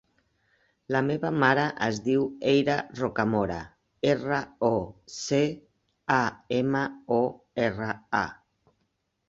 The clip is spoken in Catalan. La meva mare es diu Eira Rocamora: erra, o, ce, a, ema, o, erra, a.